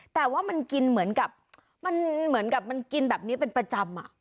แต่ว่ามันกินเหมือนกับมันเหมือนกับมันกินแบบนี้เป็นประจำ